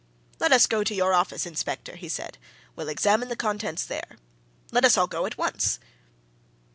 "Let us go to your office, inspector," he said. "We'll examine the contents there. Let us all go at once!"